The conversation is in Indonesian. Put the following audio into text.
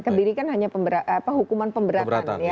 kebiri kan hanya hukuman pemberatan ya